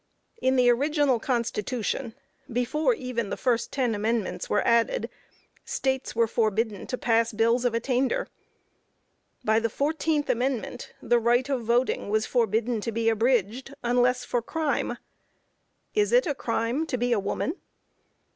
In the original Constitution, before even the first ten amendments were added, States were forbidden to pass bills of attainder. By the fourteenth amendment, the right of voting was forbidden to be abridged, unless for crime. Is it a crime to be a woman?